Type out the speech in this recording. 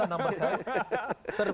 kalau kita enam persen